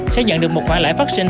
sẽ nhận được một khoản lãi phát sinh